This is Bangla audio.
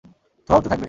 ধোঁয়া উড়তে থাকবে।